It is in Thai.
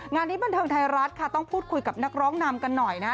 งานนี้บันเทิงไทยรัฐค่ะต้องพูดคุยกับนักร้องนำกันหน่อยนะ